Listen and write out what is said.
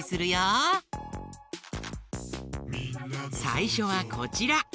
さいしょはこちら。